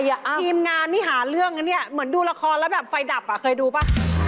ทีมงานนี่หาเรื่องนะเนี่ยเหมือนดูละครแล้วแบบไฟดับอ่ะเคยดูป่ะ